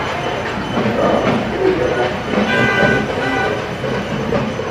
Tänu raagus puudele on neid ka lihtsam leida.